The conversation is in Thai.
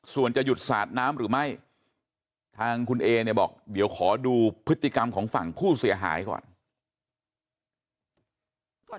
ส่วนจะหยุดสาดน้ำหรือไม่ทางคุณเอเนี่ยบอกเดี๋ยวขอดูพฤติกรรมของฝั่งผู้เสียหายก่อน